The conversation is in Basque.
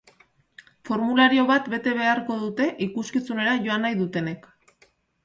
Formulario bat bete beharko dute ikuskizunera joan nahi dutenek.